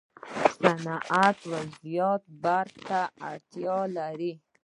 صنعت و زیات برق ته اړتیا لري.